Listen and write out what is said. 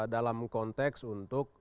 dalam konteks untuk